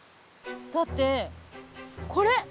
だってこれ。